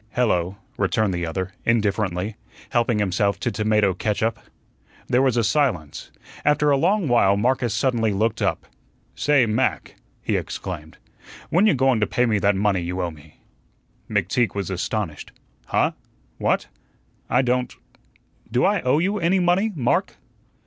"Hello," returned the other, indifferently, helping himself to tomato catsup. There was a silence. After a long while Marcus suddenly looked up. "Say, Mac," he exclaimed, "when you going to pay me that money you owe me?" McTeague was astonished. "Huh? What? I don't do I owe you any money, Mark?"